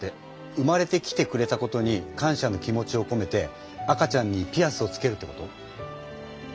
生まれてきてくれたことに感謝の気持ちをこめて赤ちゃんにピアスをつけるってこと？